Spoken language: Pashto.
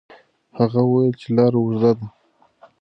هغه وویل چې لار اوږده ده.